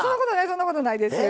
そんなことないですよ。